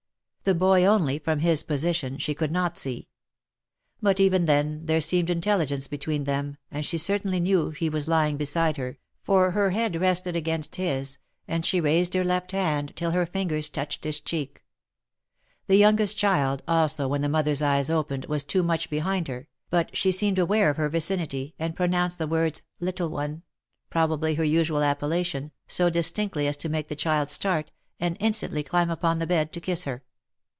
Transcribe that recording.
The boy only, from his position, she could not see ; but even then, there seemed intelligence between them, and she certainly knew he was lying beside her, for her head rested against his, and she raised her left hand till her fingers touched his cheek. The youngest child also when the mother's eyes opened, was too much behind her, but she seemed aware of her vicinity, and pro nounced the words " Little one !" probably her usual appellation, so distinctly as to make the child start, and instantly climb upon the bed to kiss her.